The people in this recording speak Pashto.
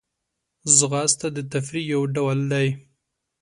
ځغاسته د تفریح یو ډول دی